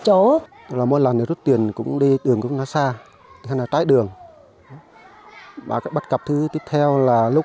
chỗ mỗi lần rút tiền cũng đi đường cũng nó xa hay là trái đường và bắt cặp thứ tiếp theo là lúc